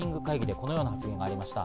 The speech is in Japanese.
このような発言がありました。